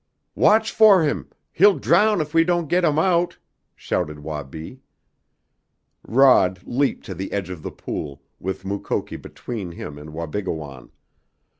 "Watch for him! He'll drown if we don't get him out," shouted Wabi. Rod leaped to the edge of the pool, with Mukoki between him and Wabigoon.